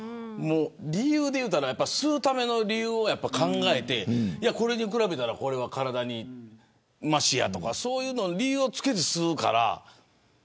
理由で言うたら吸うための理由を考えてこれに比べたらこれは体にましやとかそういう理由を付けて吸うから。